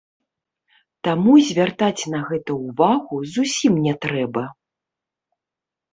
Таму звяртаць на гэта ўвагу зусім не трэба.